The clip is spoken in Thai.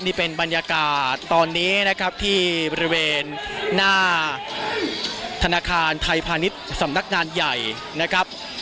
นี่เป็นบรรยากาศตอนนี้นะครับที่บริเวณหน้าธนาคารไทยพาณิชย์สำนักงานใหญ่นะครับ